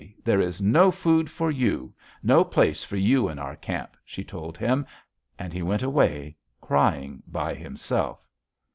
There is no food for you, no place for you in our camp,' she told him; and he went away, crying, by himself.